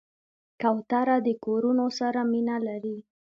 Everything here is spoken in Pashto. کوتره د کورونو سره مینه لري.